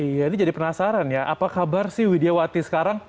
iya ini jadi penasaran ya apa kabar sih widiawati sekarang